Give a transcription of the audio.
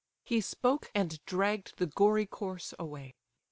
He spoke, and dragg'd the gory corse away.